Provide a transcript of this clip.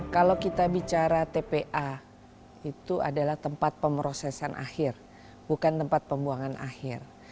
kalau kita bicara tpa itu adalah tempat pemrosesan akhir bukan tempat pembuangan akhir